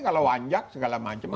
kalau wanjak segala macam